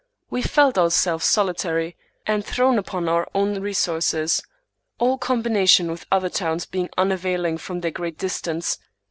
We felt ourselves solitary, and thrown upon our own resources ; all combination with other towns being unavailing from their great distance.